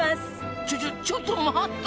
ちょちょちょっと待った！